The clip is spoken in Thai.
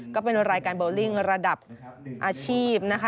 ก็เป็นรายการโบลิ่งระดับอาชีพนะคะ